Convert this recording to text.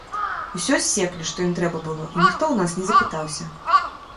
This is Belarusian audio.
Усё ссеклі, што ім трэба было, і ніхто ў нас не запытаўся.